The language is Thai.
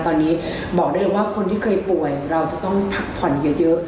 ตอนนี้บอกได้เลยว่าคนที่เคยป่วยเราจะต้องพักผ่อนเยอะ